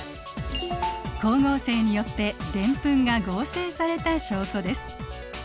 光合成によってデンプンが合成された証拠です。